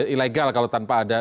ilegal kalau tanpa ada